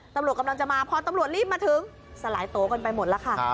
ตำรวจกำลังจะมาพอตำรวจรีบมาถึงสลายโตกันไปหมดแล้วค่ะ